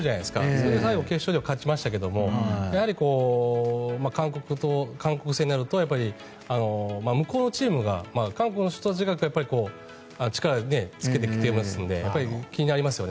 それで最後決勝では勝ちましたけど韓国戦になると向こうのチームが韓国の人たちが力をつけてきてますので気になりますよね。